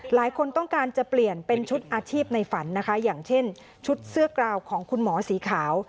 หลายคนต้องการจะเปลี่ยนเป็นชุดอาชีพในฝันนะคะอย่างเช่นชุดเสื้อกราวของคุณหมอสีขาว